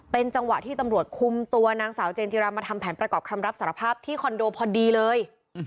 เป็นจังหวะที่ตำรวจคุมตัวนางสาวเจนจิรามาทำแผนประกอบคำรับสารภาพที่คอนโดพอดีเลย